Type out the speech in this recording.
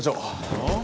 うん？